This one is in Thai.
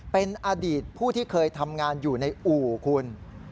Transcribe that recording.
เป็นอดีตผู้ที่เคยทำงานอยู่ในอู่คุณ